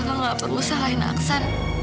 kakak gak perlu salahin aksan